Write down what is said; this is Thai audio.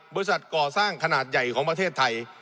บริษัทก่อสร้างขนาดใหญ่ของประเทศไทย